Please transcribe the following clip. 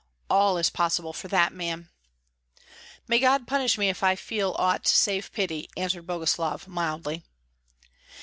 All is possible for that man." "May God punish me if I feel aught save pity!" answered Boguslav, mildly.